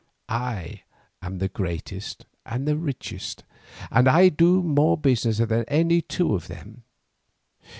I am the greatest and the richest, and I do more business than any two of them.